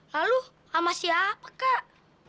lalu sama siapa kak